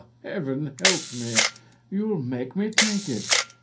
Heaven help me! you'll make me take it.